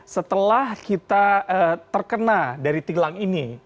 setelah kita terkena dari tilang ini